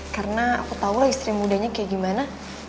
karena aku tau lah istri mudanya kayak gimana